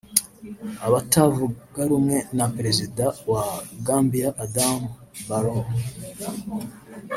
Abatavugarumwe na Perezida wa Gambia Adama Barrow